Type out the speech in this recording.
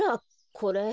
これ。